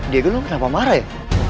diego lu kenapa marah ya